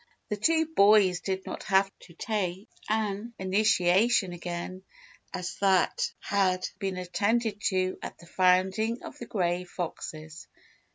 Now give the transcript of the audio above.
The two boys did not have to take an initiation again as that had been attended to at the founding of the Grey Foxes.